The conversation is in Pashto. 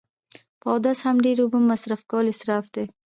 په اودس هم ډیری اوبه مصرف کول اصراف دی